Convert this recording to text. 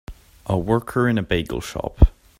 A worker in a bagel shop.